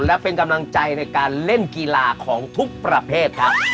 และเป็นกำลังใจในการเล่นกีฬาของทุกประเภทครับ